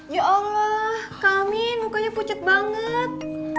ya allah kak amin mukanya pucat banget